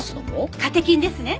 カテキンですね。